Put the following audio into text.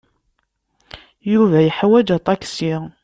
Yuba yeḥwaj aṭaksi.